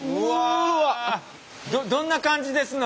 どんな感じですの？